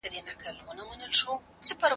پښتو د ښوونځي دننه د تبادلی پروګرام پراخوي.